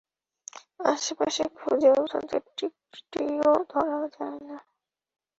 আশে-পাশে খুঁজেও তাদের টিকিটিও ধরা যায় না।